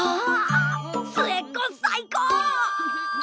末っ子最高！